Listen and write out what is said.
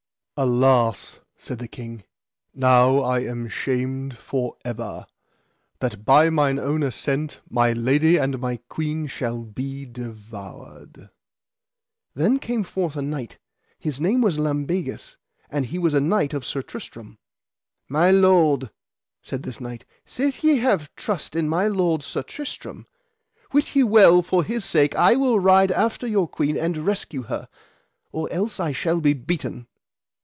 Alas, said the king, now I am shamed for ever, that by mine own assent my lady and my queen shall be devoured. Then came forth a knight, his name was Lambegus, and he was a knight of Sir Tristram. My lord, said this knight, sith ye have trust in my lord, Sir Tristram, wit ye well for his sake I will ride after your queen and rescue her, or else I shall be beaten.